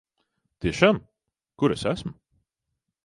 Tiešām? Kur es esmu?